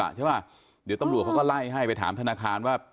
ใช่ป่ะเดี๋ยวตำรวจเขาก็ไล่ให้ไปถามธนาคารว่า